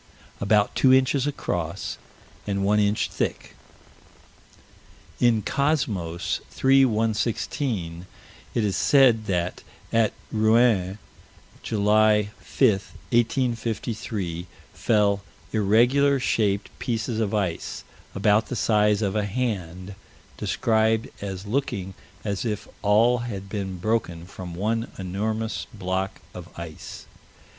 About two inches across, and one inch thick. In Cosmos, 3 116, it is said that, at Rouen, July 5, 1853, fell irregular shaped pieces of ice, about the size of a hand, described as looking as if all had been broken from one enormous block of ice.